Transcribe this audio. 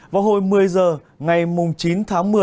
vào hồi một mươi h ngày chín tháng một mươi